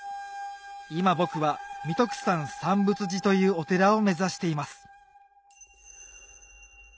今僕は三徳山三佛寺というお寺を目指しています